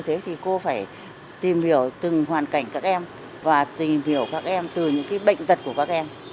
thế thì cô phải tìm hiểu từng hoàn cảnh các em và tìm hiểu các em từ những bệnh tật của các em